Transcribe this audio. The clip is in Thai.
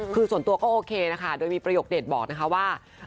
คือส่วนตัวก็โอเคนะคะโดยมีประโยคเด็ดบอกนะคะว่า